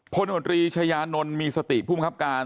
โผล่นดรีชายานนลมีสติครับกาญ